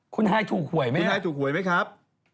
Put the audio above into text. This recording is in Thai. คุณไฮถูกถ่วยไหมครับ